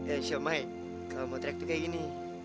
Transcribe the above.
eh siomay kalau mau teriak tuh kayak gini